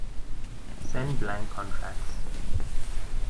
Send blank contracts.